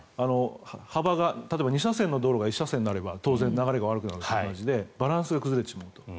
幅が例えば、２車線の道路が１車線になれば当然、流れが悪くなるのと同じでバランスが崩れてしまうと。